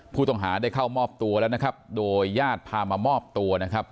ผู้ต้องหาได้เข้ามอบตัวแล้วนะครับโดยญาติพามามอบตัวนะครับ